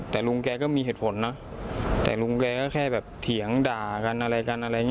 แต่ลุงแกก็มีเหตุผลนะแต่ลุงแกก็แค่แบบเถียงด่ากันอะไรกันอะไรอย่างนี้